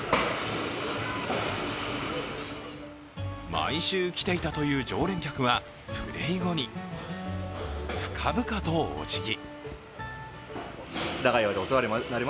毎週来ていたという常連客はプレー後に深々とおじぎ。